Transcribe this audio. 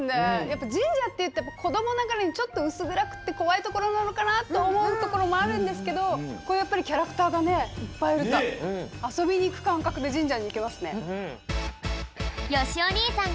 やっぱじんじゃっていってもこどもながらにちょっとうすぐらくってこわいところなのかなとおもうところもあるんですけどやっぱりキャラクターがねいっぱいいるからあそびにいくかんかくでじんじゃにいけますね。